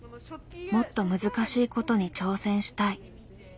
「もっと難しいことに挑戦したい」。